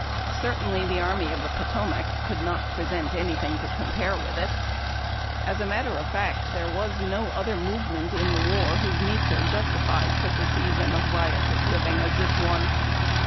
Certainly, the Army of the Potomac could not present anything to compare with it. As a matter of fact, there w"as no other movement in the war whose nature justi fied such a season of riotous living as this one.